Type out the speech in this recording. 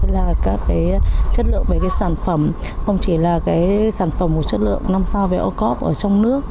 là các chất lượng về các sản phẩm không chỉ là sản phẩm của chất lượng năm sao về o corp ở trong nước